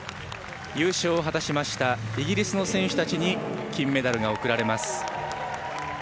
優勝を果たしましたイギリスの選手たちに金メダルが贈られます。